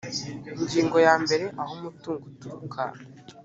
ingingo ya mbere aho umutungo uturuka